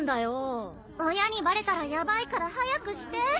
親にバレたらヤバいから早くして！